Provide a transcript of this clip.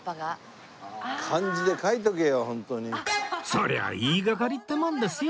そりゃ言い掛かりってもんですよ